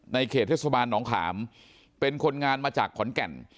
เขตเทศบาลหนองขามเป็นคนงานมาจากขอนแก่น